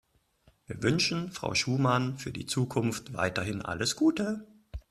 Wir wünschen Frau Schumann für die Zukunft weiterhin alles Gute.